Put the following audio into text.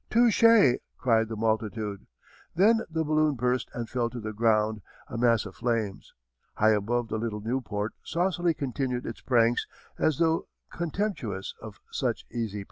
"Touchez!" cried the multitude. Then the balloon burst and fell to the ground a mass of flames. High above the little Nieuport saucily continued its pranks, as though contemptuous of such easy prey.